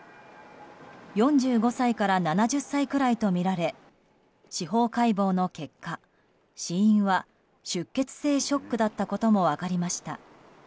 ４５歳から７０歳くらいとみられ司法解剖の結果、死因は出血性ショックだったことも分かりました。